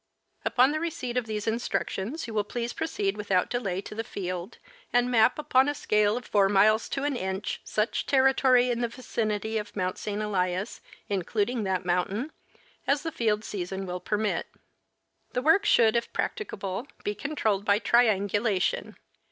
Upon the receipt of these instructions you will please proceed without delay to the field, and map upon a scale of four miles to an inch such territory in the vicinity of Mount St. Elias, including that mountain, as the field season will permit. The work should, if practicable, be controlled by triangula tion.